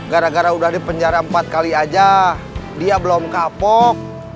gara gara udah dipenjara empat kali aja dia belum kapok